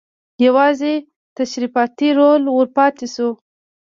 یوازې تشریفاتي رول ور پاتې شو.